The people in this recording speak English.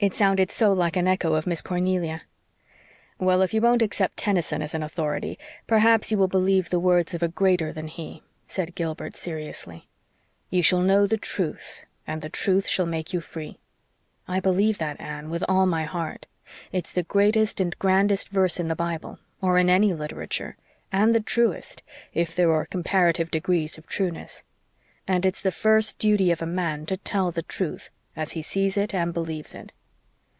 It sounded so like an echo of Miss Cornelia. "Well, if you won't accept Tennyson as an authority, perhaps you will believe the words of a Greater than he," said Gilbert seriously. "'Ye shall know the truth and the truth shall make you free.' I believe that, Anne, with all my heart. It's the greatest and grandest verse in the Bible or in any literature and the TRUEST, if there are comparative degrees of trueness. And it's the first duty of a man to tell the truth, as he sees it and believes it."